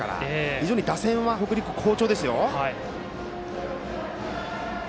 非常に打線は北陸、好調ですよ。